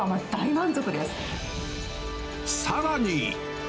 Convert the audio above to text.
さらに。